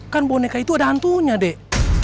kan boneka itu ada hantunya dek